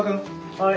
はい。